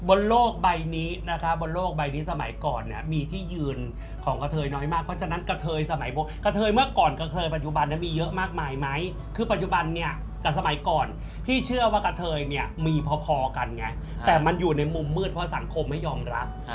บนโลกใบนี้นะคะบนโลกใบนี้สมัยก่อนเนี่ยมีที่ยืนของกะเทยน้อยมากเพราะฉะนั้นกระเทยสมัยโบกะเทยเมื่อก่อนกระเทยปัจจุบันเนี่ยมีเยอะมากมายไหมคือปัจจุบันเนี่ยกับสมัยก่อนพี่เชื่อว่ากะเทยเนี่ยมีพอกันไงแต่มันอยู่ในมุมมืดเพราะสังคมไม่ยอมรับ